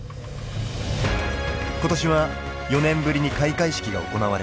今年は４年ぶりに開会式が行われコロナ禍